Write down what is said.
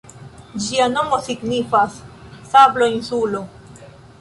Ĝia nomo signifas "Sablo-insulo".